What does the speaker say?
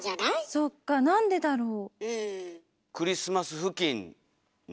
そっかなんでだろう？